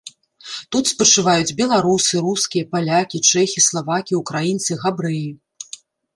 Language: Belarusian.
Тут спачываюць беларусы, рускія, палякі, чэхі, славакі, украінцы, габрэі.